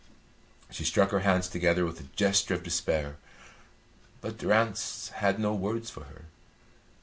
She struck her hands together with a gesture of despair, but Durrance had no words for her.